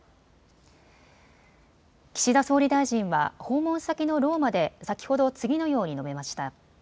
岸田総理大臣は訪問先のローマで先ほど次のように述べました。